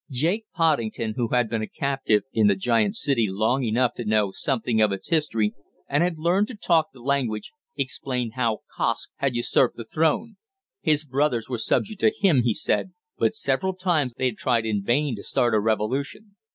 Jake Poddington, who had been a captive in the giant city long enough to know something of its history, and had learned to talk the language, explained how Kosk had usurped the throne. His brothers were subject to him, he said, but several times they had tried in vain to start a revolution.